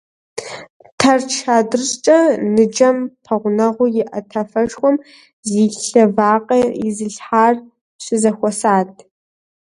Тэрч адрыщӀкӀэ ныджэм пэгъунэгъуу иӀэ тафэшхуэм зи лъэ вакъэ изылъхьэр щызэхуэсат.